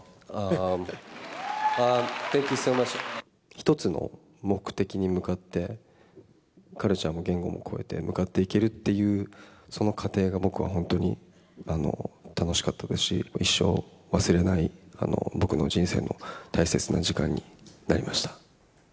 一つの目的に向かって、カルチャーも言語も超えて向かっていけるっていうその過程が、僕は本当に楽しかったですし、一生忘れない、僕の人生の大切な時間になりました。